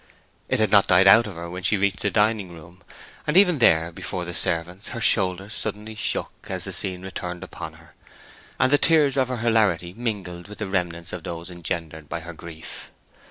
It had not died out of her when she reached the dining room; and even here, before the servants, her shoulders suddenly shook as the scene returned upon her; and the tears of her hilarity mingled with the remnants of those engendered by her grief.